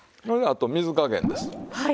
それであと水加減です。